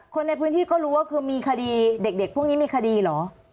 คนในพื้นที่ก็รู้ว่าคือมีคดีเด็กพวกนี้มีคดีเหรอ